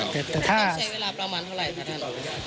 ต้องใช้เวลาประมาณเท่าไหร่คะท่าน